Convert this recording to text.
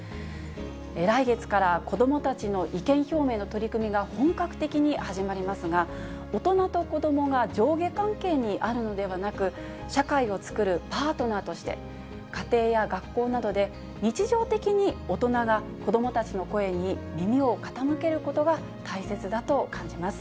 来月から、子どもたちの意見表明の取り組みが本格的に始まりますが、大人と子どもが上下関係にあるのではなく、社会を作るパートナーとして、家庭や学校などで日常的に大人が子どもたちの声に耳を傾けることが大切だと感じます。